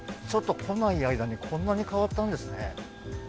ちょっと来ない間にこんなに変わったんですね。